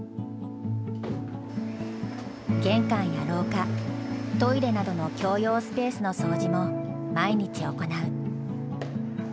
玄関や廊下トイレなどの共用スペースの掃除も毎日行う。